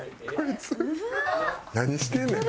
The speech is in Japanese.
何してんねん。